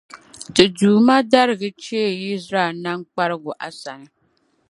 Ti Duuma darigi cheei Izraɛl nam kparibu a sani.